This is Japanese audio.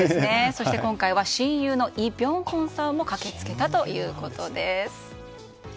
そして今回は親友のイ・ビョンホンさんも駆け付けたということです。